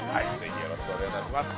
よろしくお願いします。